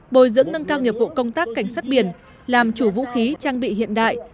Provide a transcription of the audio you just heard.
bồi dưỡng nâng cao nghiệp vụ công tác cảnh sát biển làm chủ vũ khí trang bị hiện đại